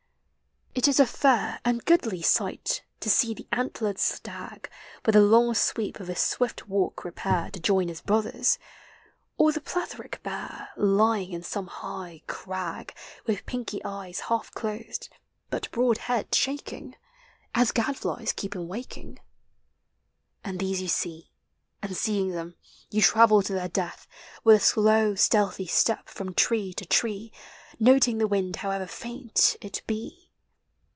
154 POEMS OF XATURE. It is a fair And goodly sight to see the antlered stag With the long sweep of his swift walk repair To join his brothers; or the plethoric bear Lying in some high crag, With pinky eyes half closed, but broad head shaking, As gadflies keep him waking. And these you see, And, seeing them, you travel. to their death With a slow, stealthy step, from tree to tree, Noting the wind, however faint it be.